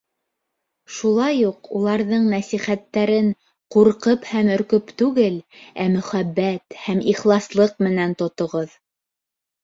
Шулай уҡ уларҙың нәсихәттәрен ҡурҡып һәм өркөп түгел, ә мөхәббәт һәм ихласлыҡ менән тотоғоҙ.